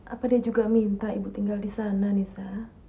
apa dia juga minta ibu tinggal disana nisa